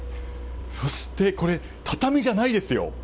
そして、畳じゃないですよ。